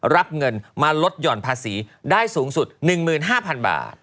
รับเงินมาลดหย่อนภาษีได้สูงสุด๑๕๐๐๐บาท